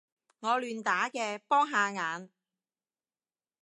我亂打嘅，幫下眼